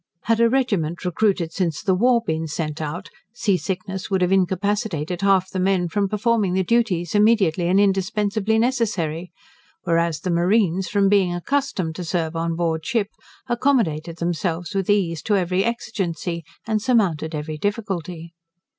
Had a regiment recruited since the war been sent out, sea sickness would have incapacitated half the men from performing the duties immediately and indispensably necessary; whereas the marines, from being accustomed to serve on board ship, accommodated themselves with ease to every exigency, and surmounted every difficulty.